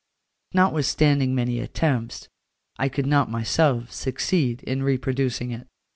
Notwithstanding many attempts, I could not myself succeed in re producing it.